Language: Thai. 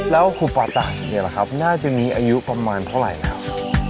แล้วหุบป่าตานี่ล่ะครับน่าจะมีอายุประมาณเท่าไหร่ไหมครับ